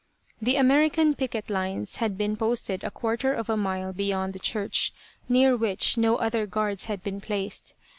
The American picket lines had been posted a quarter of a mile beyond the church, near which no other guards had been placed.